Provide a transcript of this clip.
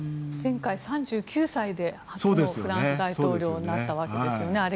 前回、３９歳で初のフランス大統領になったわけですよね。